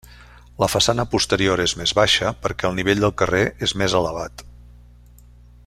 La façana posterior és més baixa perquè el nivell del carrer és més elevat.